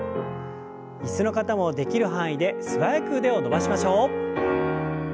椅子の方もできる範囲で素早く腕を伸ばしましょう。